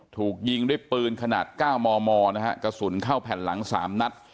ถูกยิงด้วยปืนขนาด๙มมนะฮะกระสุนเข้าแผ่นหลัง๓นัด